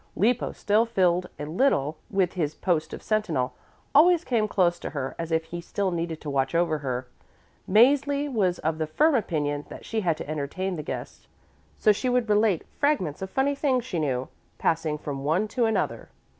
Lippo, still filled a little with his post of sentinel, always came close to her as if he still needed to watch over her. Mäzli was of the firm opinion that she had to entertain the guest, so she would relate fragments of funny things she knew, passing from one to another.